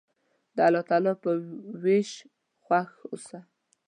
د الله تعالی په ویش خوښ اوسه.